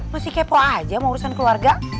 masih kepo aja mau urusan keluarga